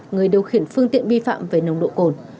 người điều khiển phương tiện vi phạm về nồng độ cồn